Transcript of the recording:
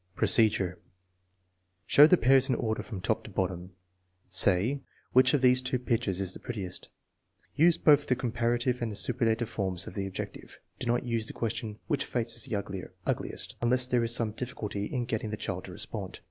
Procedure. Show the pairs in order from top to bottom. Say: " Which of these two pictures is the prettiest ?" Use both the comparative and the superlative forms of the ad jective. Do not use the question, " Which face is the uglier (ugliest)? " unless there is some difficulty in getting the child to respond.